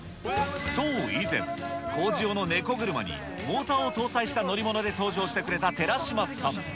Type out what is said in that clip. そう、以前、工事用のネコ車に、モーターを搭載した乗り物で登場してくれた寺嶋さん。